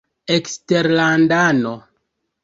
eksterlandano